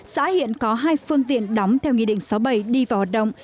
xã hiện có hai phương tiện đóng theo nghị định sáu bảy đi vào hoạt động